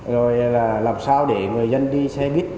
rồi là làm sao để người dân đi xe buýt